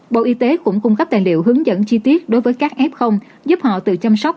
bộ y tế cũng cung cấp tài liệu hướng dẫn chi tiết đối với các f giúp họ tự chăm sóc